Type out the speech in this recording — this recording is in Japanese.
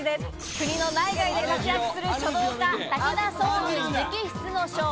国の内外で活躍する書道家・武田双雲直筆の書。